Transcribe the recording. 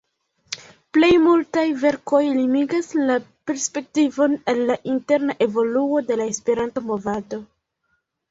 Plej multaj verkoj limigas la perspektivon al la interna evoluo de la Esperanto-movado.